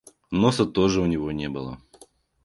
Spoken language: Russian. Носа тоже у него не было.